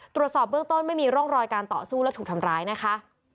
ตรวจสอบเบื้องต้นไม่มีร่องรอยการต่อสู้และถูกทำร้ายนะคะ